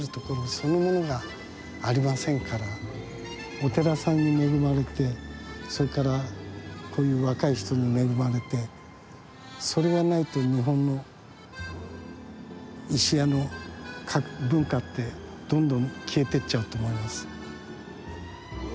お寺さんに恵まれてそれからこういう若い人に恵まれてそれがないと日本の石屋の文化ってどんどん消えてっちゃうと思います。